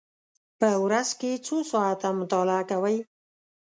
په ورځ کې څو ساعته مطالعه کوئ؟